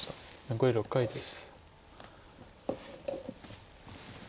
残り６回です。